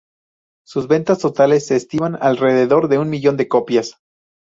Sus ventas totales se estiman alrededor de un millón de copias.